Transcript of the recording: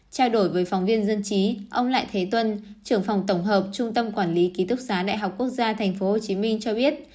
trao đổi với phóng viên dân trí ông lại thế tuân trưởng phòng tổng hợp trung tâm quản lý ký túc xá đại học quốc gia tp hcm cho biết